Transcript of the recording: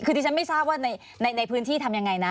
คือที่ฉันไม่ทราบว่าในพื้นที่ทำยังไงนะ